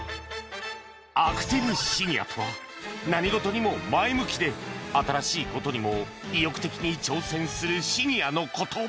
「アクティブシニア」とは何事にも前向きで新しい事にも意欲的に挑戦するシニアの事